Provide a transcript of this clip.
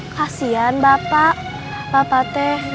kasian bapak bapak teh